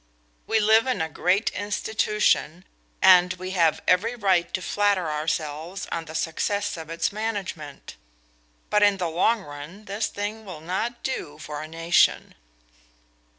We live in a great institution, and we have every right to flatter ourselves on the success of its management; but in the long run this thing will not do for a nation."